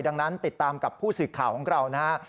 ดังนั้นติดตามกับผู้สื่อข่าวของเรานะฮะ